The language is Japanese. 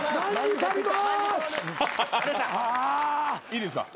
いいですか？